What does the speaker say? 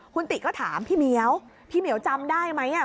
คุณติก็ถามพี่เหมียวพี่เหมียวจำได้ไหม